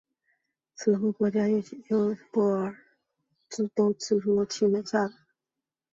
此后的法国汉学家伯希和与马伯乐都出自其门下。